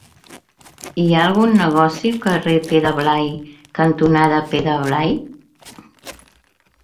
Hi ha algun negoci al carrer Pere Blai cantonada Pere Blai?